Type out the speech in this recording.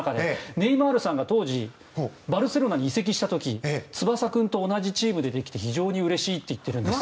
ネイマールさんが当時バルセロナに移籍した時翼君と同じチームでできて非常にうれしいと言っているんです。